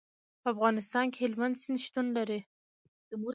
په افغانستان کې هلمند سیند شتون لري.